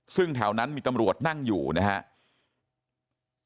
ซึ่งแถวนั้นมีตำรวจนั่งอยู่นะครับ